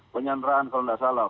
penyanderaan kalau tidak salah